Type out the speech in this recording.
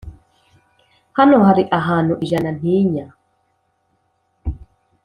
hano hari ahantu ijana ntinya